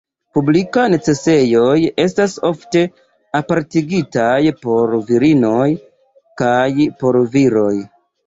Publikaj necesejoj estas ofte apartigitaj por virinoj kaj por viroj.